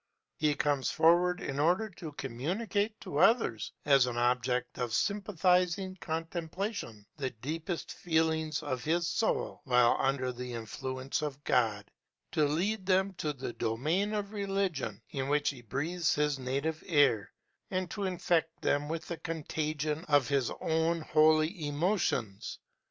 He comes forward in order to communicate to others, as an object of sympathizing contemplation, the deepest feelings of his soul while under the influence of God; to lead them to the domain of religion in which he breathes his native air; and to infect them with the contagion of his own holy emotions.